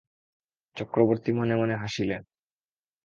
চক্রবর্তী মনে মনে হাসিলেন।